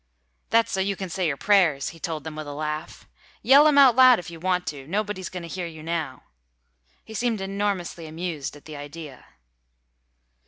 "That's so you can say your prayers," he told them with a laugh. "Yell 'em out loud if you want to. Nobody's going to hear you now." He seemed enormously amused at the idea.